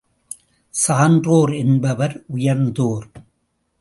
சான்றோர் என்பவர் உயர்ந்தோர்.